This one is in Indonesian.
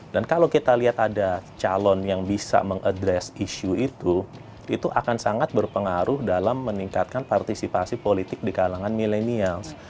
dan kalau kita lihat ada calon yang bisa mengadres isu itu itu akan sangat berpengaruh dalam meningkatkan partisipasi politik di kalangan milenial